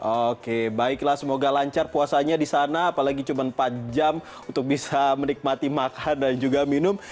oke baiklah semoga lancar puasanya di sana apalagi cuma empat jam untuk bisa menikmati makan dan juga minum